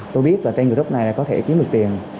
tôi biết là tên của group này có thể kiếm được tiền